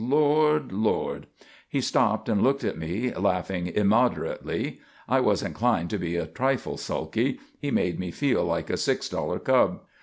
Lord, Lord!" He stopped and looked at me, laughing immoderately. I was inclined to be a trifle sulky; he made me feel like a six dollar cub.